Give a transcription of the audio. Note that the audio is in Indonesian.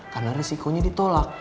karena risikonya ditolak